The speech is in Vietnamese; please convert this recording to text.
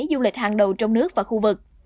du lịch hàng đầu trong nước và khu vực